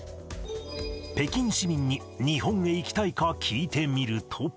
北京市民に日本へ行きたいか、聞いてみると。